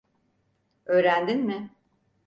Öğrendin mi?